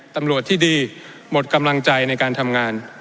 ตำรวจที่ดีหมดกำลังใจในการทำงาน